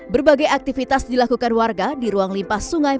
berbagai aktivitas dilakukan warga di ruang limpah sungai